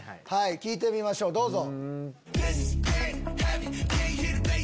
聴いてみましょうどうぞ。